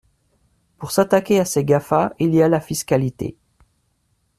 Pour s’attaquer à ces GAFA, il y a la fiscalité.